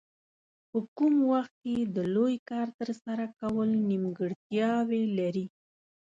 په کم وخت کې د لوی کار ترسره کول نیمګړتیاوې لري.